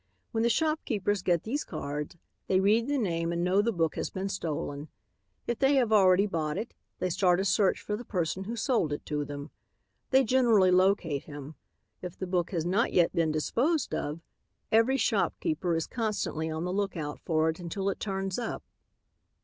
When the shopkeepers get these cards, they read the name and know the book has been stolen. If they have already bought it, they start a search for the person who sold it to them. They generally locate him. If the book has not yet been disposed of, every shopkeeper is constantly on the lookout for it until it turns up.